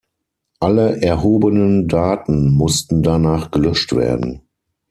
Alle erhobenen Daten mussten danach gelöscht werden.